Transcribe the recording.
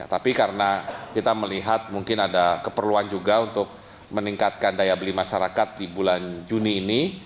tapi karena kita melihat mungkin ada keperluan juga untuk meningkatkan daya beli masyarakat di bulan juni ini